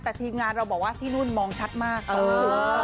แต่ทีมงานเราบอกว่าที่นู่นมองชัดมากเออเออ